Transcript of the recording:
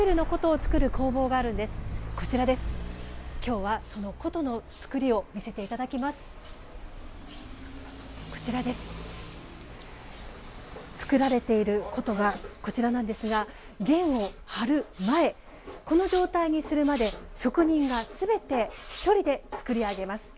作られている箏がこちらなんですが絃を張る前この状態にするまで職人が全て一人で作り上げます。